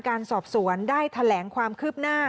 การสอบสวนได้แถลงความคืบหน้า